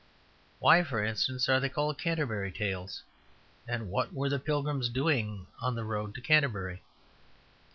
Why, for instance, are they called Canterbury Tales; and what were the pilgrims doing on the road to Canterbury?